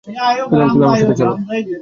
সুতরাং তুমি আমার সাথে চল।